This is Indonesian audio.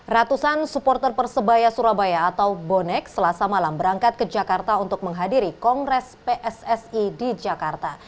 ratusan supporter persebaya surabaya atau bonek selasa malam berangkat ke jakarta untuk menghadiri kongres pssi di jakarta